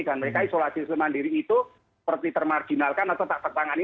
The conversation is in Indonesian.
dan mereka isolasi semandiri itu seperti termarginalkan atau tak tertangani